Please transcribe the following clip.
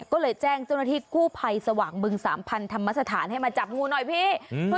ก็เลยแจ้งเจ้าหน้าที่กู้ภัยสว่างบึงสามพันธรรมสถานให้มาจับงูหน่อยพี่